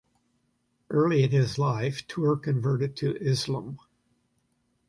Early in his life, Ture converted to Islam.